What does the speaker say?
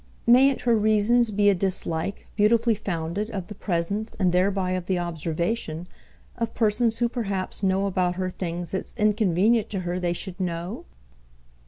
Mayn't her reasons be a dislike, beautifully founded, of the presence, and thereby of the observation, of persons who perhaps know about her things it's inconvenient to her they should know?"